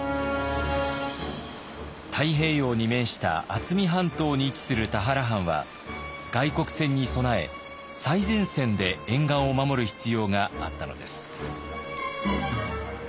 太平洋に面した渥美半島に位置する田原藩は外国船に備え最前線で沿岸を守る必要があったのです。